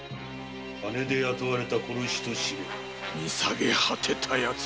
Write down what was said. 金で雇われた殺しと知れ見下げはてたヤツ